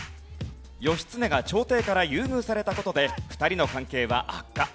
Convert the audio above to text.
義経が朝廷から優遇された事で２人の関係は悪化。